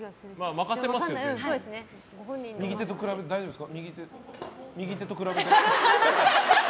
右手と比べて大丈夫ですか？